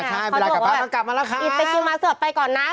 เขาบอกว่าไปกินมาเสือกไปก่อนนะ